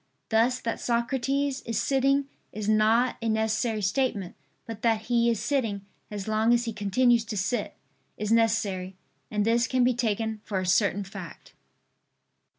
Thus that Socrates is sitting is not a necessary statement; but that he is sitting, as long as he continues to sit, is necessary; and this can be taken for a certain fact.